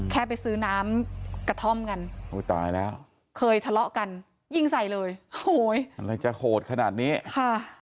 แค่ไปซื้อน้ำกระท่อมกันโอ้ตายแล้วเคยทะเลาะกันยิงใส่เลยโอ้โหอะไรจะโหดขนาดนี้ค่ะ